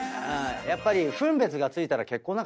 やっぱり。